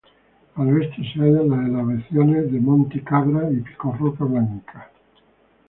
Al oeste se hallan las elevaciones de Monte Cabra y Pico Roca Blanca.